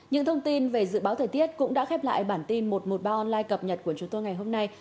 những thông tin về dự báo thời tiết cũng đã khép lại bản tin một trăm một mươi ba online cập nhật của chúng tôi ngày hôm nay